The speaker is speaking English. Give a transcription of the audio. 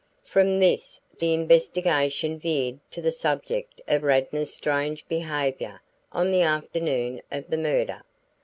From this, the investigation veered to the subject of Radnor's strange behavior on the afternoon of the murder.